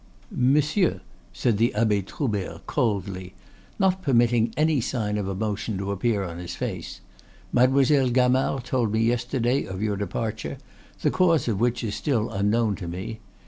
"Monsieur," said the Abbe Troubert, coldly, not permitting any sign of emotion to appear on his face, "Mademoiselle Gamard told me yesterday of your departure, the cause of which is still unknown to me.